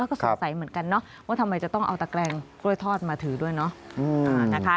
ก็สงสัยเหมือนกันเนาะว่าทำไมจะต้องเอาตะแกรงกล้วยทอดมาถือด้วยเนาะ